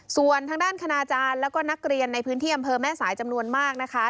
ส่วนทางด้านคณาจารย์แล้วก็นักเรียนในพื้นที่อำเภอแม่สายจำนวนมากนะคะ